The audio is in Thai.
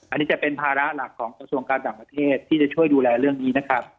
อันนี้จะเป็นภาระหลักของกระทรวงการต่างประเทศที่จะช่วยดูแลเรื่องนี้นะครับ